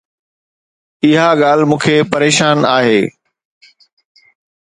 اها ڳالهه مون کي پريشان آهي.